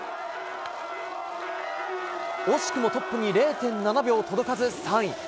惜しくもトップに０．７秒届かず３位。